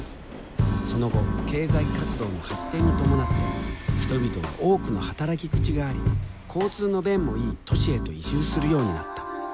その後経済活動の発展に伴って人々は多くの働き口があり交通の便もいい都市へと移住するようになった。